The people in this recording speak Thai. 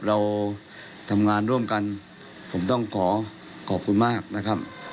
เราทำงานร่วมกันผมต้องขอขอบคุณมากนะครับ